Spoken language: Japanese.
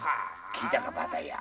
聞いたかばあさんや。